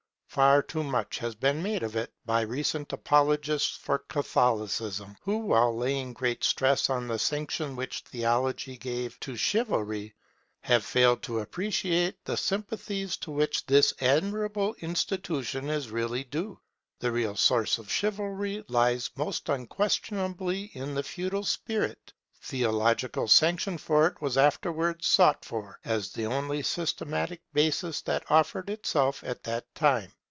Far too much has been made of it by recent apologists for Catholicism; who, while laying great stress on the sanction which Theology gave to Chivalry, have failed to appreciate the sympathies to which this admirable institution is really due. The real source of Chivalry lies most unquestionably in the feudal spirit. Theological sanction for it was afterwards sought for, as the only systematic basis that offered itself at that time.